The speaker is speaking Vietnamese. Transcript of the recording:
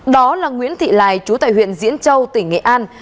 đó là nguyễn thị lài chú tại huyện diễn châu tỉnh nghệ an